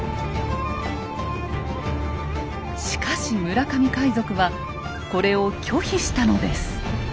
しかし村上海賊はこれを拒否したのです。